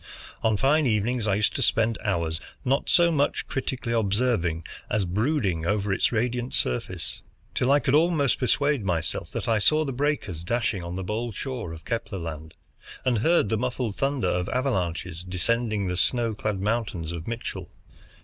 On fine evenings I used to spend hours, not so much critically observing as brooding over its radiant surface, till I could almost persuade myself that I saw the breakers dashing on the bold shore of Kepler Land, and heard the muffled thunder of avalanches descending the snow clad mountains of Mitchell.